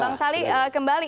bang sali kembali